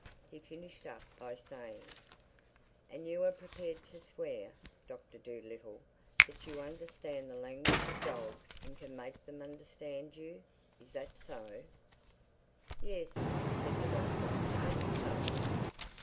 He finished up by saying, "And you are prepared to swear, Doctor Dolittle, that you understand the language of dogs and can make them understand you. Is that so?" "Yes," said the Doctor, "that is so."